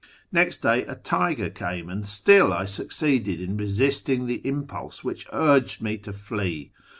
Next day a tiger came, and still \ succeeded in resisting the impulse which urged me to flee.